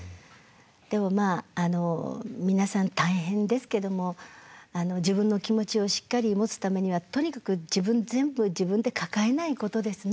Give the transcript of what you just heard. でもまあ皆さん大変ですけども自分の気持ちをしっかり持つためにはとにかく自分全部自分で抱えないことですね。